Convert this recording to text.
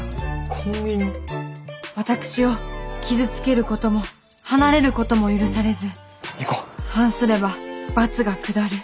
私を傷つけることも離れることも許されず反すれば罰が下る。